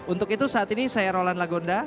untuk itu saat ini saya roland lagonda